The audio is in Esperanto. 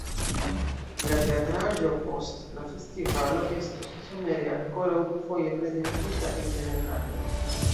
La teatraĵo post la festivalo estos somere ankoraŭ dufoje prezentita en Nederlando.